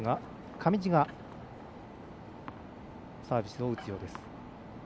上地がサービスを打つようです。